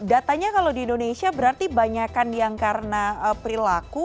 datanya kalau di indonesia berarti banyakan yang karena perilaku